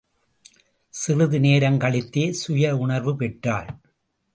சிறிது நேரங்கழித்தே சுய உணர்வு பெற்றாள்.